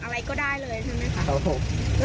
คิดว่าเป็นอะไรเลยตอนแรกที่เราเห็นน่ะ